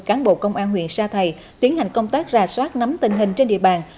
cán bộ công an huyện xã thầy tiến hành công tác rà soát nắm tình hình trên địa bàn